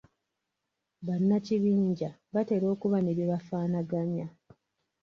Bannakibinja batera okuba ne bye bafaanaganya.